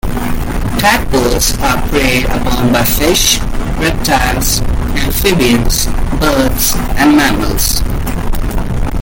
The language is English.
Tadpoles are preyed upon by fish, reptiles, amphibians, birds, and mammals.